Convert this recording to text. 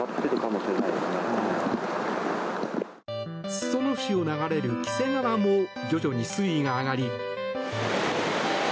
裾野市を流れる黄瀬川も徐々に水位が上がり。